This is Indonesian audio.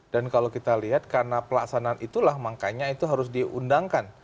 dan kalau kita lihat karena pelaksanaan itulah makanya itu harus diundangkan